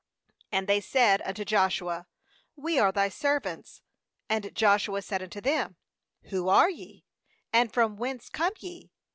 8And they said unto Joshua: 'We are thy servants/ And Joshua said unto them: 'Who are ye? and from whence come ye?'